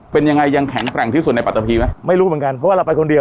เป็นยังไงยังแข็งแกร่งที่สุดในปัตตะพีไหมไม่รู้เหมือนกันเพราะว่าเราไปคนเดียว